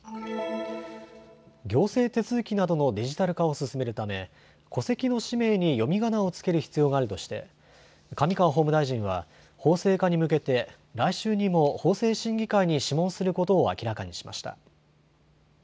行政手続きなどのデジタル化を進めるため戸籍の氏名に読みがなを付ける必要があるとして上川法務大臣は法制化に向けて来週にも法制審議会に諮問することを明らかにしました。